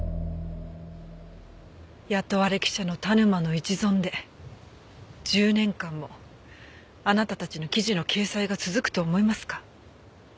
雇われ記者の田沼の一存で１０年間もあなたたちの記事の掲載が続くと思いますか？